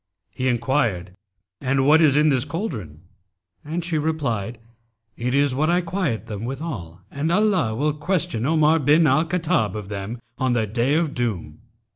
He enquired, 'And what is in this cauldron?'; and she replied, 'It is what I quiet them withal, and Allah will question Omar bin al Khattab of them, on the Day of Doom.'